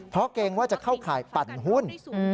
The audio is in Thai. เพราะเกรงว่าจะเข้าข่ายปั่นหุ้น